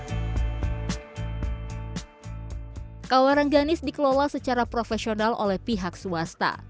di kelola adalah tempat yang terkenal secara profesional oleh pihak swasta